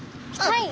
はい！